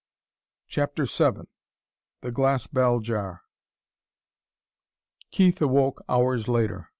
CHAPTER VII The Glass Bell Jar Keith awoke hours later.